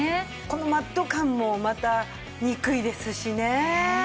このマット感もまた憎いですしね。